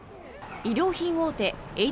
衣料品大手